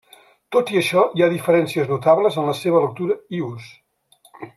Tot i això, hi ha diferències notables en la seva lectura i ús.